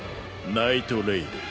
ナイトレイド。